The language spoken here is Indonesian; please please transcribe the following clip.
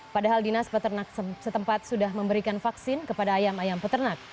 padahal dinas peternak setempat sudah memberikan vaksin kepada ayam ayam peternak